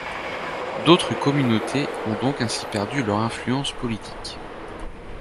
D'autres communautés ont donc ainsi perdu leur influence politique.